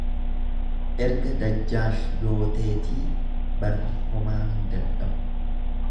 Erga dajjaash Jooteetii barri homaa hin dadhabu.